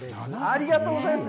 ありがとうございます！